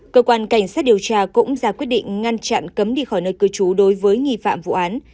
cơ quan cảnh sát điều tra cũng ra quyết định ngăn chặn cấm đi khỏi nơi cư trú đối với nghi phạm vụ án